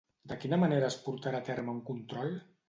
De quina manera es portarà a terme un control?